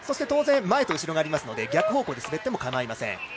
当然、前と後ろがありますので逆方向で滑っても構いません。